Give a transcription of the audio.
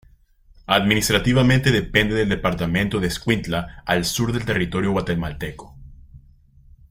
Administrativamente depende del departamento de Escuintla al sur del territorio guatemalteco.